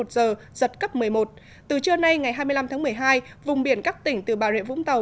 một giờ giật cấp một mươi một từ trưa nay ngày hai mươi năm tháng một mươi hai vùng biển các tỉnh từ bà rịa vũng tàu